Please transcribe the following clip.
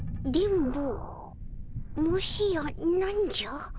「もしや」なんじゃ？